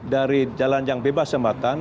dari jalan yang bebas jembatan